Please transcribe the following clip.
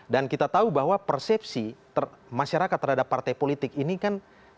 dan kita tahu bahwa persepsi masyarakat terhadap partai politik ini kan